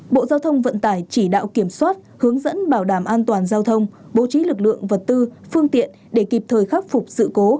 bộ giao thông vận tải chỉ đạo kiểm soát hướng dẫn bảo đảm an toàn giao thông bố trí lực lượng vật tư phương tiện để kịp thời khắc phục sự cố